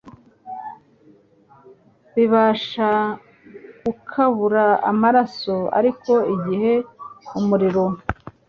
bibasha gukabura amaraso; ariko igihe umuriro